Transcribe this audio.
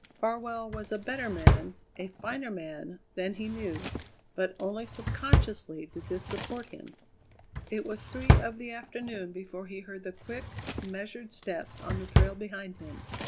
Farwell was a better man, a finer man, than he knew, but only subconsciously did this support him. It was three of the afternoon before he heard the quick, measured steps on the trail behind him.